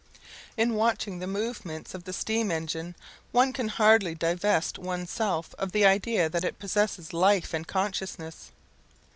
In watching the movements of the steam engine, one can hardly divest one's self of the idea that it possesses life and consciousness.